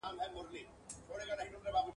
زه تر شمعې سینه وړمه له پیمان سره همزولی ..